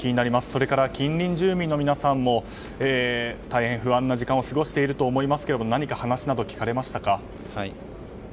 それから近隣住民の皆さんも大変不安な時間を過ごしていると思いますけど何か話など聞かれましたか？